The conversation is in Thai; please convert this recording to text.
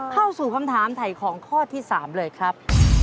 เข้าสู่คำถามถ่ายของข้อที่๓เลยครับ